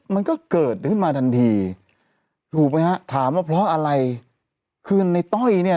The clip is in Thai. มันก็เกิดขึ้นมาทันทีถูกไหมฮะถามว่าเพราะอะไรคือในต้อยเนี่ย